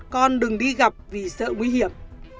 con đừng đi gặp vì sợ nguy hiểm